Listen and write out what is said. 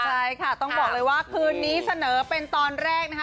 ใช่ค่ะต้องบอกเลยว่าคืนนี้เสนอเป็นตอนแรกนะคะ